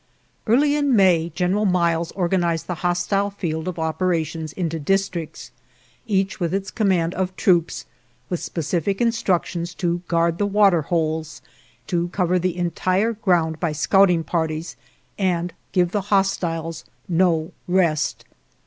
" Early in May General Miles organized the hostile field of operations into districts, each with its command of troops, with spe cific instructions to guard the water holes, to cover the entire ground by scouting par ties, and give the hostiles no rest.